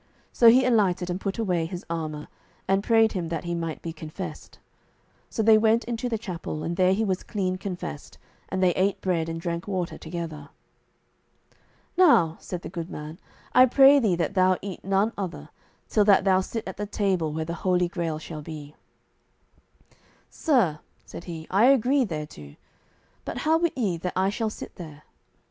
So he alighted and put away his armour, and prayed him that he might be confessed. So they went into the chapel, and there he was clean confessed; and they ate bread and drank water together. "Now," said the good man, "I pray thee that thou eat none other, till that thou sit at the table where the Holy Grail shall be." "Sir," said he, "I agree thereto; but how wit ye that I shall sit there?"